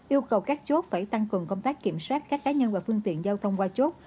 yêu cầu các chốt phải tăng cường công tác kiểm soát các cá nhân và phương tiện giao thông qua chốt